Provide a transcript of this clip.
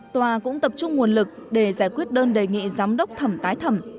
tòa cũng tập trung nguồn lực để giải quyết đơn đề nghị giám đốc thẩm tái thẩm